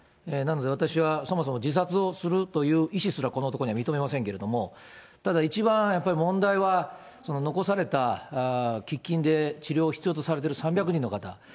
なので、私はそもそも自殺をするという医師すら、この男には認めませんけれども、ただ、一番やっぱり問題は、残された喫緊で治療を必要とされている３００人の方。